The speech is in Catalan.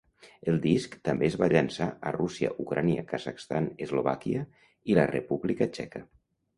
El disc també es va llançar a Rússia, Ucraïna, Kazakhstan, Eslovàquia i la República Txeca.